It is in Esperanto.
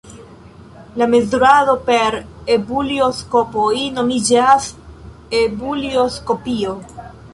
La mezurado per ebulioskopoj nomiĝas ebulioskopio.